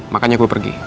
makanya gue pergi